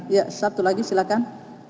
ya satu lagi silakan